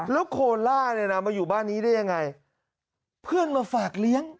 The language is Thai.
แล้วโคล่าเนี่ยนะมาอยู่บ้านนี้ได้ยังไงเพื่อนมาฝากเลี้ยง